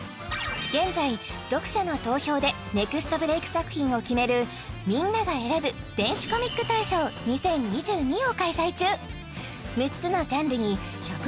現在読者の投票でネクストブレイク作品を決めるみんなが選ぶ電子コミック大賞２０２２を開催中